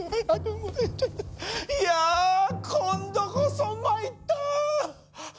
いやぁ今度こそ参った！